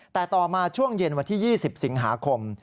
แต่ต่อมาช่วงเย็นวันที่๒๐สิงหาคม